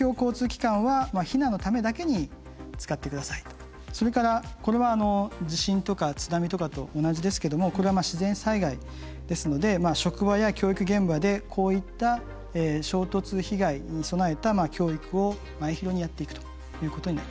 まず１番目はそれからそれからこれは地震とか津波とかと同じですけどもこれはまあ自然災害ですので職場や教育現場でこういった衝突被害に備えた教育を前広にやっていくということになります。